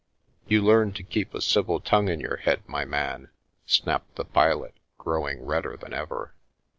" You learn to keep a civil tongue in your head, my man !" snapped the pilot, growing redder than ever.